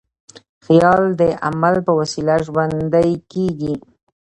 خیال د عمل په وسیله ژوندی کېږي.